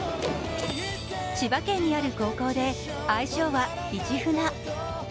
千葉県にある高校で、愛称はイチフナ。